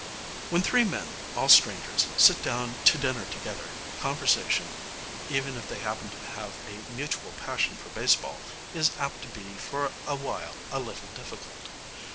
When three men, all strangers, sit down to dinner together, conversation, even if they happen to have a mutual passion for baseball, is apt to be for a while a little difficult.